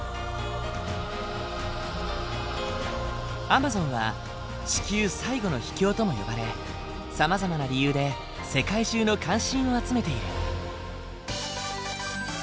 アマゾンは地球最後の秘境とも呼ばれさまざまな理由で世界中の関心を集めている。